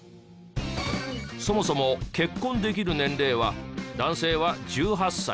そもそも結婚できる年齢は男性は１８歳。